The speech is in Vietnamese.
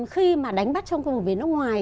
khi mà đánh bắt trong cái vùng biển nước ngoài